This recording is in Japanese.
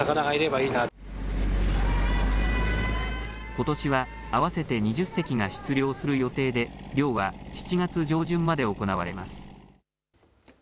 ことしは合わせて２０隻が出漁する予定で漁は７月上旬まで行われます。